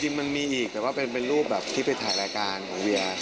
จริงมันมีอีกแต่ว่าเป็นรูปแบบที่ไปถ่ายรายการของเวีย